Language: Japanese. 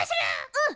うん。